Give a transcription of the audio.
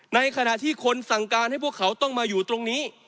ในขณะที่คนสั่งการให้พวกเขาต้องมาอยู่ตรงนี้